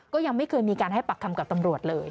ก็ยังไม่เคยมีการให้ปากคำกับตำรวจเลย